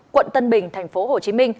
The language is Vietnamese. quận tân bình tp hcm